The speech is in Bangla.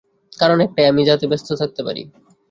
কারণ একটাই, আমি যাতে ব্যস্ত থাকতে পারি।